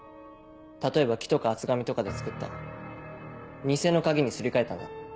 例えば木とか厚紙とかで作った偽の鍵にすり替えたんだ。